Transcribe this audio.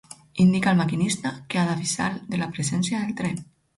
Indica al maquinista que ha d'avisar de la presència del tren.